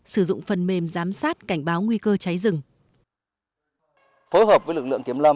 sử dụng phần mềm giám sát cảnh báo nguy cơ cháy rừng